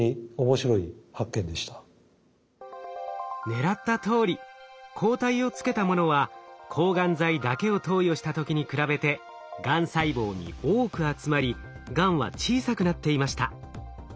狙ったとおり抗体をつけたものは抗がん剤だけを投与した時に比べてがん細胞に多く集まりがんは小さくなっていました。